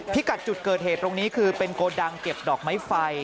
กัดจุดเกิดเหตุตรงนี้คือเป็นโกดังเก็บดอกไม้ไฟ